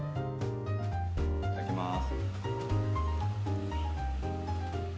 いただきます。